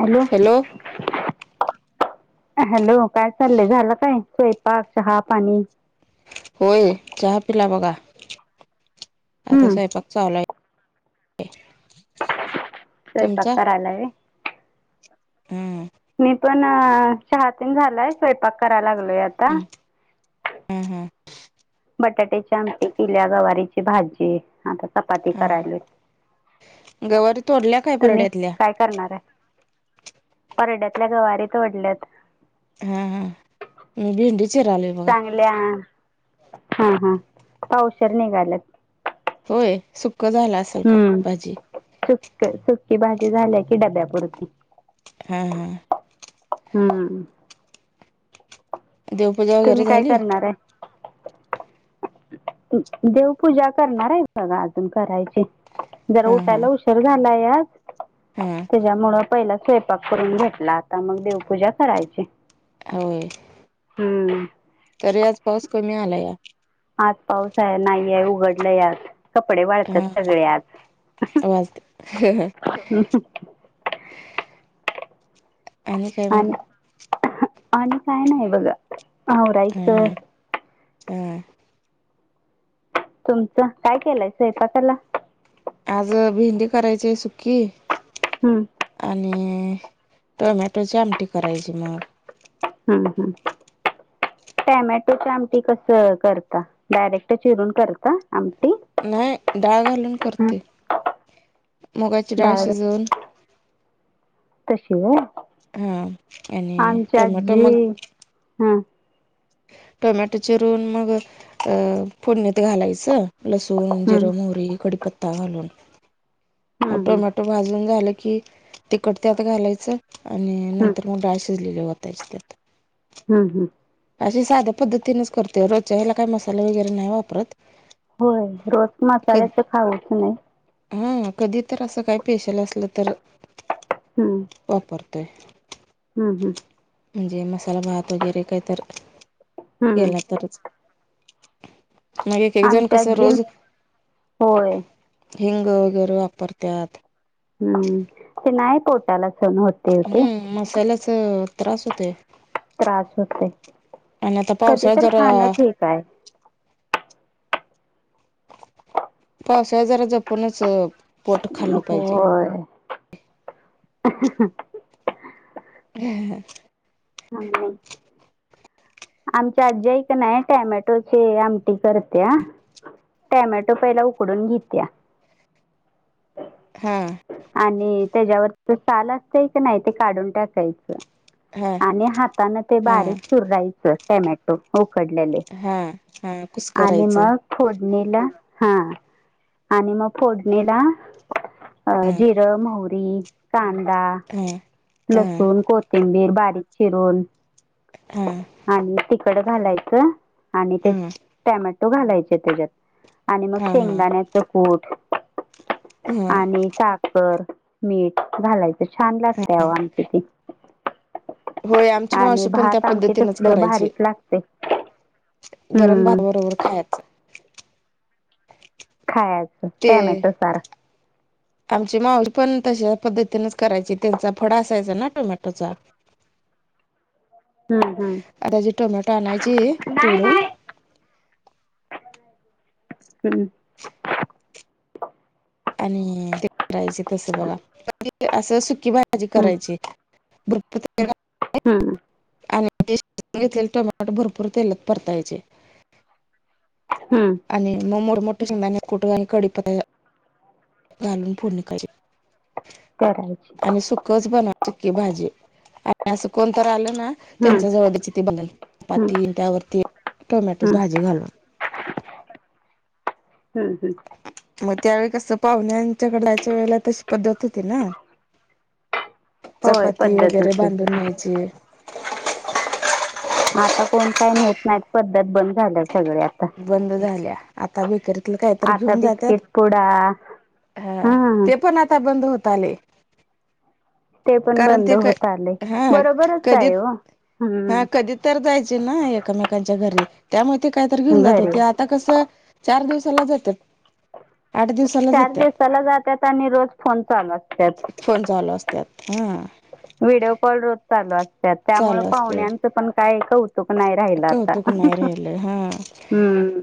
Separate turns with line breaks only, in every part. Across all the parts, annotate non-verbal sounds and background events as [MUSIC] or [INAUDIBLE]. Hello. Hello काय चाललंय झालं काय स्वयंपाक चहा पाणी?
होय चहा पिला बघा आता
हम्म
स्वयंपाक चालाय. [UNINTELLIGIBLE]
स्वयंपाक
तुमचा
करालाय होय?
हम्म.
मी पण चहा तेन झालाय. स्वयंपाक करायला लागलोय आत
हम्म हां हां.
बटाट्याच्या आमटी केल्या गवारीची भाजी आता. चपाती करायले
हम्म गवारी तोडल्या काय
तुम्ही
परड्यातल्या
काय करणार आहे परड्यातल्या गवारीत वढल्यात.
हा हा मी भिंडी चिरायलो.
चांगल्या हा हा हा पावशेर निघालेत.
होय? सुक्क झालं असं
हम्म सुक्क सुक्की भाजी झाल्या की डब्यापुरती.
हा हा.
हम्म.
देवपूजा
तुम्ही
वगैरे
काय
झाली
करणार आहे? देवपूजा करणार आहे [UNINTELLIGIBLE] अजून करायची. जरा
हा हा
उटायला उशेर झालाय आज.
हा
त्याच्यामुळं पहिला स्वयंपाक करून घेतला आता मंग देवपूजा करायची.
होय.
हम्म.
तरी आज पाऊस कमी आला या.
आज पाऊस आहे, नाहीये उघडलाय आज. कपडे
हा
वाळत्यात सगळे आज.
वाजते काय मग
आणि आणि काय नाही बघा.
हम्म
आवरायचं
हम्म काय
तुमचं काय केलाय स्वयपाकाला?
आज भेंडी करायची हाय सुखी.
हम्म.
आणि टोमॅटोची आमटी करायची मग.
हम् हम. टोमॅटो ची आमटी कशी करता, डायरेक्ट चिरून करता आमटी.
नाय डाळ घालून
हं.
करते मुगाची डाळ शिजवून.
तशी व्हाय
हां आणि
आमची
टोमॅटो मग
आजी हा.
टोमॅटो चिरून मग, फोडणीत घालायचं. लसुन
हं हं
जिरं मोहरी कढीपत्ता घालून. म
हं
टोमॅटो भाजून झालं की तिखट त्यात घालायचं. आणि
हं
नंतर मग, डाळ शिजलेली वतायची त्यात.
हम् हम्.
अशी साध्या पद्धतीनेच करते रोजच्या ह्याला मसाला वगैरे नाय वापरत.
होय रोज मसाल्याचं खाऊच नई.
हम्म.. कधी तर असं, काय स्पेशल असलं तर.
हम्म.
वापरतोय.
हम्म हम्म.
म्हणजे मसाला भात वगैरे काय तर
हं
केला तरच. मग एक एक जण
आमची
कसं
आजी
रोज
होय
हिंग वगैरे वापरतयात.
हम्म ते नाही पोटाला सहन होत.
हम्म मसाल्याच त्रास होतय.
त्रास होते कधी
पावसाळ्यात
तर
जरा
खाणं ठीक हाय.
पावसाळ्यात जरा जपूनच. पोट खाल्लं पाहिजे
होय.
[INAUDIBLE]
[UNINTELLIGIBLE] आमची आजी हाय क नाय टोमॅटोची आमटी करत्या. टोमॅटो पहिला उकडून घित्या.
हां..
आणि त्याच्यावरच साल असतय कीनाय ते काढून टाकायचं.
हां..
आणि हाताने ते बारीक चुरायच टॉमे उकडलेले
हा हा कुस
आणि
करायचं
मगं, फोडणीला. हा आणि मग, फोडणीला जिरं मोहरी कांदा.
हां.
लसूण कोथिंबीर बारीक चिरून.
हा..
आणि तिकड घालायचं आणि ते
हा हा
टॅमॅटो घालायचे त्याच्यात. आणि मग
हा
शेंगदाण्याच कूट
हा
आणि सा बर मीठ घालायचं छान लागत्या आहो आमटी ती.
होय आमची
आणि
मावशी पण त्या
भात आमची
पद्धतीनेच
तसलं
करायची.
भारीच लागते
गरम
हम्म
भात बरोबर खायचं.
खायाचं
ते
टॉमेटो सार.
आमची माऊशी पण तशा पद्धतीनेच करायची त्यांचा फड असायचा ना टमेटोचा.
[INAUDIBLE] हम्म हम्म
आता जी टोमॅटो आणायची तोडून.
हम्म.
आणि ते करायचे तस बघा असं सुकी भाजी
हम्म
करायची. दु. [UNINTELLIGIBLE]
हम्म.
आणि घेतलेले टोमॅटो भरपूर तेलात परतायचे.
हम्म.
आणि मग मोठमोठे शेगदााने कुठ आणि कडीपता घालून फोडणी का.
करायची
आणि सुकच बनवा सुकी भाजी आणि असं कोणत आलं ना.
हम्म
त्यांच्या जवळची ते बदल
हम्म
पाती त्यावरती टोमॅटो
हम्म
भाजी घालून.
हम्म हम्म.
मग त्यावेळी कसं पाहुण्यांच्याकडं जायच्या वेळेला तशी पद्धत होती ना.
होय पद्धत होती.
जे.
आता कोण काय नेत नात पद्धत बंद झाल्या सगळय.
बंद झाल्या आता बेकरीतलं काहीतरी
आता
घेऊन जातात.
बिस्किट पुडा
हा ते पण आता बंद होत आले.
ते पण
कारण
बंद
ते काय,
होत आले
हा
बरोबरच
कधी
आहे हो
हा
हम्म
कधी तर जायचे ना एकमेकांच्या घरी, त्यामुळे ते कायतर घेऊन जात
घरी
होते. आत आता कसं चार दिवसाला येतात आठ दिवस.
चार दिवसाला जात्यात आणि रोज फोन चालू असत्यात.
फोन चालू असत हा.
व्हिडिओ कॉल रोज चालू असत त्यामुळे
चालू असते
पाहुण्यांचं पण काय कौतुक. तूप नाही राहिला आता
कौतुक नाही राहिलं हा
हम्म.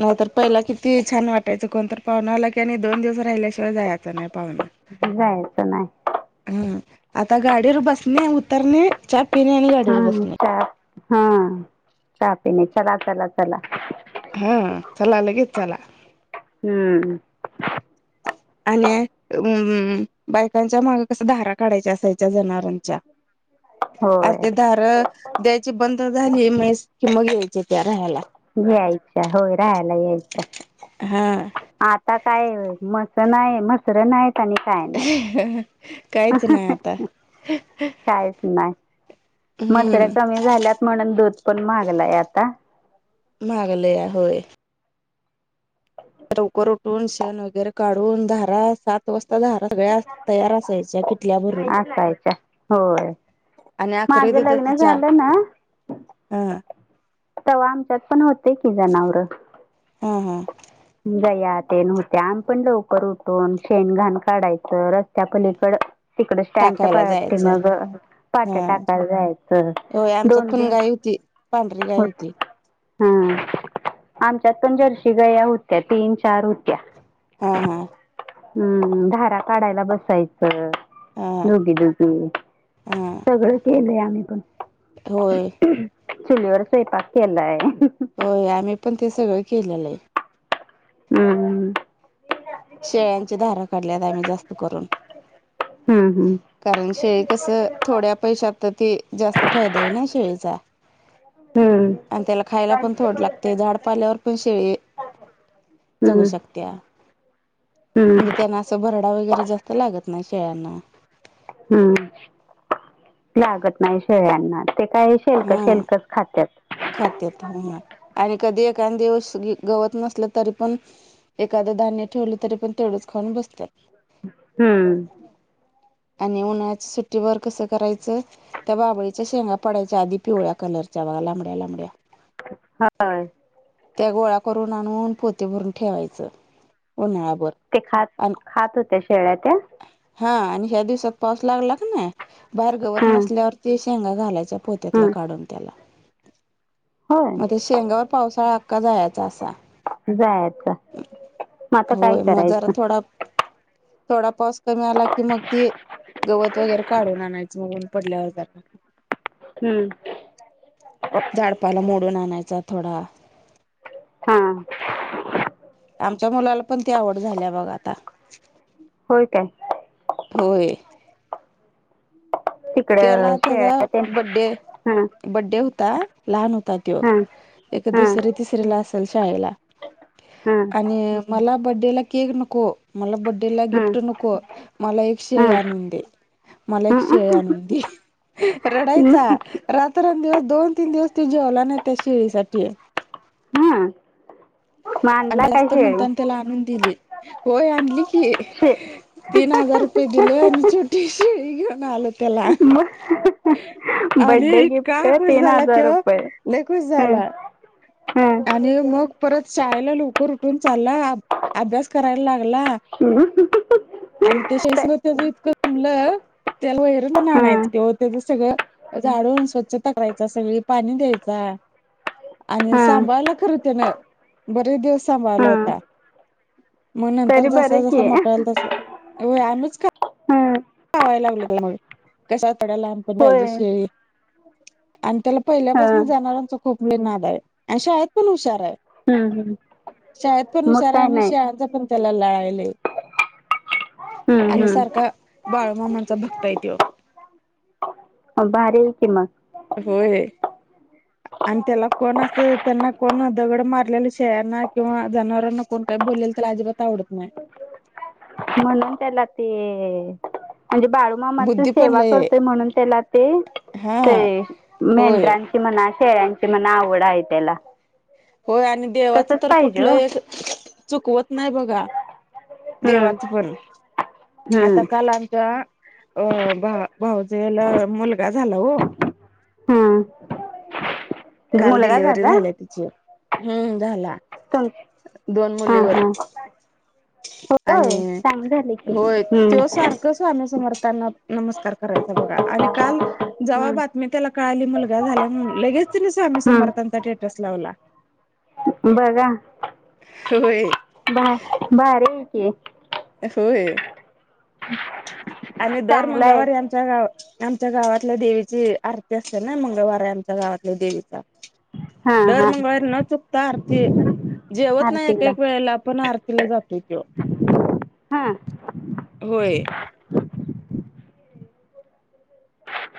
नाहीतर पहिलं किती छान वाटायचं कोणत पाहुना आला की आणि दोन दिवस राहिल्याशिवाय जायचं नाही पाहुना.
जायचं नाही.
हं आता गाडीवर बसणे, उतरणे. च्या पीने आणि [UNINTELLIGIBLE]
हम हम चाय पीने चला चला चला.
हा चलाला लगेच चला.
हम्म.
आणि बायकांच्या मागे कस धारा काढायच्या असायच्या जना
होय
[UNINTELLIGIBLE] द्यायची बंद झाली म्हैस कि मग यायचे त्या राहायला.
यायच्या होय राहायला यायच्या.
हा हा.
आता काय मसं नाहीय मसं [UNINTELLIGIBLE] नाहीत आणि काय
काहीच नाही आता.
नाहीत.
[INAUDIBLE]
काहीच नाही मसर्या
हम्म
कमी झाल्यात म्हणून दूध पण महागलाय आता.
महागलया होय. तर लवकर उठून शण वगैरे काढून धारा सात वाजता धारा. सगळ्या तयार असायच्या किटल्या भरून.
असायच्या होय
आणि आखरी
माझं
दुधाची
लग्न
चहा
झालं
हा.
तव आमच्यात पण होते की जनावरं.
हा हा
जया ते नव्हते आम पण लवकर उठून शेण घाण काढायचं रस्त्यापलीकड. तिकड स्टँडच्या
टाकायला
पाठी
जायचं
मग पाट्या
हा
टाकायला जायचं
होय आमच्यात
दोन
पण
दिस.
गाय होती पांढरी गाय होती.
हा आमच्यात पण जर्शी गया होत्या तीन चार होत्या.
हा हा.
हम्म धारा काडायला बसायचं.
हा
दुघी दुगी
हा
सगळं केलंय आम्ही पण.
होय
चुलीवर स्वयंपाक केलाय.
होय आम्ही पण ते सगळं केलेलं आहे.
हम्म
शेळ्यांची धारा काढल्यात आम्ही जास्त करून.
हा हम्म
कारण शेळी कसं थोड्या पैशात ते जास्त फायदा आहे ना शेळीचा.
हम्म.
आणि त्याला खायला पण थोड लागतय झाड पाल्यावर पण शेळी
हम्म
जगू
हम्म
शकत्या.
हम्म.
म्हणजे त्यांना असं भरडा वगैरे जास्त लागत नाही शेळ्यांना.
हम्म लागत नाही शेळ्यांना ते काय शेलक
हा
शेलकच खात्यात.
खात्यात हम्म आणि कधी एखा दिवस गवत नसलं तरी पण. एखादं धान्य ठेवलं तरी पण तेवढंच खाऊन बसतात.
हम्म
आणि उन्हाळच्या सुट्टीवरर कसं करायचं. त्या बाबळीच्या शेंगा पडायच्या आधी पिवळ्या कलरच्या बा लांबड्या लांबड्या.
[UNINTELLIGIBLE]
त्या गोळा करून आणून पोती भरून ठेवायचं उन्हाळाया भर.
ते खात खात होत्या शेळ्या त्या.
हा आणि ह्या दिवसात पाऊस लागला का ना बाहेर गवत
हम्म
नसल्यावरती शेंगा घालायचा. पोत्यातला
हम्म
काढून त्याला. आता
होय
शेंगावर पावसाळा आका जायचा असा.
जायच मग आता काय
होय मग जरा
करायचं.
थोडा थोडा पाऊस कमी आला की मग ती गवत वगैरे काढून आणायच ऊन पडल्यावर जरा.
हम्म
झाडपाला मोडून आणायचा थोडा.
हा.
आमच्या मुलाला पण ती आवड झाल्या बघ आता.
होय काय.
होय.
[INAUDIBLE]
त्याला त्याला
शेळ्या ते
बडडे
हं
बडडे होता लहान होता त्यो.
हं
ए
हं
दुसरी तिसरी ला असेल शाळेला.
हा.
आणि मला बड्डेला केक नको. मला बडडे ला
हं
गिफ्ट नको मला एक शेळे
हं
आणून दे मला एक
हं
शेळे आणून दे. रडायचा. रात्रंदिवस दोन तीन दिवस ते जेवला नाही त्या शेळीसाठी.
हा.
आणि जास्त म्हणताना त्याला आणून दिली होय आणली की.
शे
तीन हजार रुपये दिल आणि छोटी शिळी घेऊन आलो. त्याला
म
आणि
बड्डे
इतका
गिफ्ट
खुश
तीन
झाला
हजार
तो
रुपये
लय खुश
हम्म
झाला
हम्म.
आणि मग परत शाळेला लवकर उठून चालला अभ्यास करायला लागला.
केलं [UNINTELLIGIBLE]
आणि त्याच्या स त्याच इतकं तुलं त्याला वगैरे पण
हं
आणायचं किंवा त्याचं सगळं. झाडून स्वच्छ त करायचा सगळी पाणी द्यायचा. आणि
हं
सांभाळला खरं त्यान बरेच दिवस सांभाळला
हं
होता. मग नंतर
तरी
जसा
बरं की
जसा मोठा होईल तस आम्हीच का
हम्म.
खवायला लागले त्यामुळे कसात पडायलाहंबपण
होय
पाहिजे शेळी. आणि त्याला पहिल्यापासून
हं
जनावरचा खूप नाद आहे आणि शाळेत पण हुशार आहे.
हं हं
शाळेत पण
मग
हुशारा
काय
आणि
नाही
शिळचा पण त्याला लळा हाय लई.
हम्म हम्म.
सारखा बाळूमामांचा भक्त आहे त्यो
भारी हाय की मग.
होय. आणि त्याला कोण असं त्यांना कोण दगड मारलेलं शेळयाणा किंवा जनावरांना. कोण काय बोलेल त्याला अजिबात आवडत नाही.
म्हणून त्याला ते म्हणजे बाळुक मामा
बुद्धी पण
सेवा
लय
करतोय
आहे
म्हणून त्याला ते ते
हा होय
मेढ्रां म्हणा शेळ्यांची म्हणा आवड आहे त्याला.
होय आणि देवाचं
तसच
तर
पाहिजे
कुठलं
हो
एक चुकवत नाही बघा.
हम्म
देवाचं पण, आता
हम्म
काल आमचा अ भा भाऊजला मुलगा झाला ओ.
हम्म.
काल डिलिव्हरी झाली तिची हम्म झाला.
तुमची.
दोन मुलीवर.
होय
आणि
चांगलं झालं की
होय त्या
हम्म
सारखं स्वामी समर्थांना नमस्कार करायचा बघा आणि काल. जेव्हा
हम्म
बातमी त्याला कळाली मुलगा झाल्या म्हणून लगेच तिने स्वामी
हम्म
समर्थांचा टे डस लावला.
बघा,
होय.
भा भारी की.
होय.
[INAUDIBLE]
आणि दर
चांगला आहे
मंगळवारी आमच्या गावात आमच्या गावातल्या देवीची आरती असते ना मंगळवार आहे आमच्या गावातल्या देवीचा.
हा
दर
हा
मंगळवारी न चुकत आरती. जेवत नाही एक
आरतीला
एक वेळेला पण आरतीला जातोय तो.
हा.
होय.